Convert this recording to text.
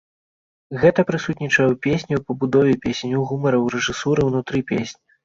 Гэта прысутнічае ў песні, у пабудове песень, у гумары, у рэжысуры ўнутры песні.